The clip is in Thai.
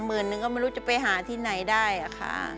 หมื่นนึงก็ไม่รู้จะไปหาที่ไหนได้ค่ะ